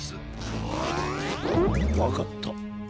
わかった。